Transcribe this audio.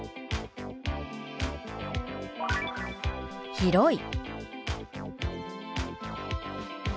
「広い」。